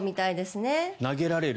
投げられる。